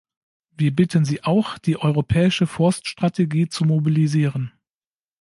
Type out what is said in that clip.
Wir bitten Sie auch, die europäische Forststrategie zu mobilisieren.